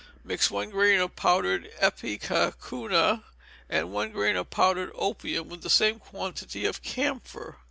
Mix one grain of powdered ipecacuanha, and one grain of powdered opium, with the same quantity of camphor.